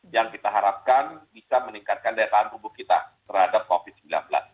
yang kita harapkan bisa meningkatkan daya tahan tubuh kita terhadap covid sembilan belas